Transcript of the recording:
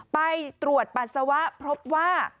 ไปตรวจปัสสาวะพบว่า